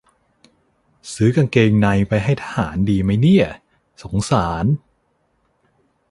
ซื้อกางเกงในไปให้ทหารดีมั้ยเนี่ย สงสาร